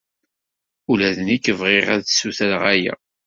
Ula d nekk bɣiɣ ad d-ssutreɣ aya.